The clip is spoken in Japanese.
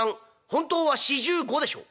本当は４５でしょ？」。